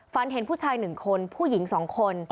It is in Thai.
เห็นผู้ชาย๑คนผู้หญิง๒คน